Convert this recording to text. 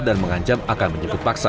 dan mengancam akan menyebut paksa